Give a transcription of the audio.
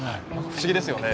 不思議ですよね。